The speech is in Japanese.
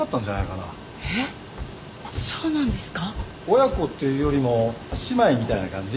親子っていうよりも姉妹みたいな感じ？